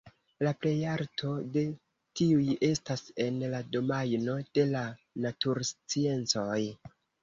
La plejparto de ĉi tiuj estas en la domajno de la natursciencoj.